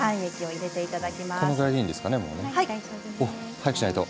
早くしないと。